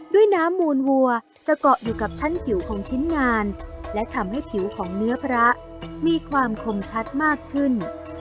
ด้วยน้ำมูลวัวจะเกาะอยู่กับชั้นผิวของชิ้นงานและทำให้ผิวของเนื้อพระมีความคมชัดมากขึ้น